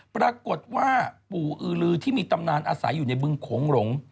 ปรากฏว่าปู่อือลือที่มีตำนานอาศัยอยู่ในบึงโขงหลง